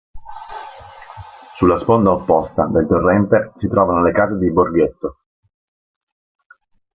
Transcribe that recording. Sulla sponda opposta del torrente si trovano le case di "Borghetto".